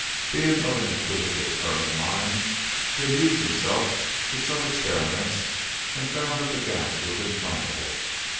Being of an inquisitive turn of mind, he had amused himself with some experiments and found that the gas was inflammable.